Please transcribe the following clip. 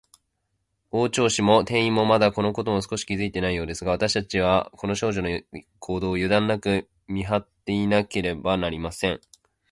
大鳥氏も店員も、まだ、このことを少しも気づいていないようですが、わたしたちは、この少女の行動を、ゆだんなく見はっていなければなりません。